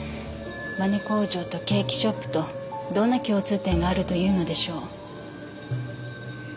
バネ工場とケーキショップとどんな共通点があるというのでしょう。